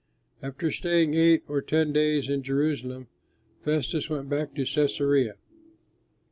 After staying eight or ten days in Jerusalem, Festus went back to Cæsarea.